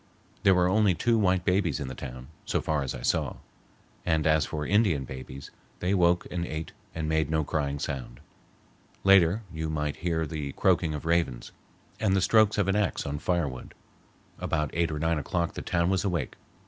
There were only two white babies in the town, so far as I saw, and as for Indian babies, they woke and ate and made no crying sound. Later you might hear the croaking of ravens, and the strokes of an axe on firewood. About eight or nine o'clock the town was awake.